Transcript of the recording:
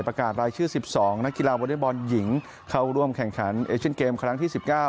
ประกาศรายชื่อ๑๒นักกีฬาวอเล็กบอลหญิงเข้าร่วมแข่งขันเอเชียนเกมครั้งที่๑๙